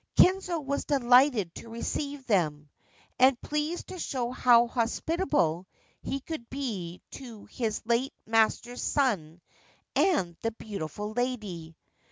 Kinzo was delighted to receive them, and pleased to show how hospitable he could be to his late master's son and the beautiful lady.